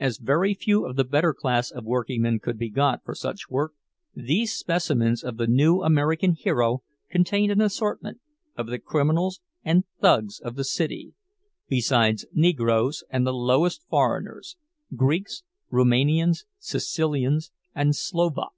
As very few of the better class of workingmen could be got for such work, these specimens of the new American hero contained an assortment of the criminals and thugs of the city, besides Negroes and the lowest foreigners—Greeks, Roumanians, Sicilians, and Slovaks.